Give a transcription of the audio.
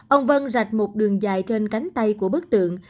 ông vân rạch một đường dài trên cánh tay của bức tượng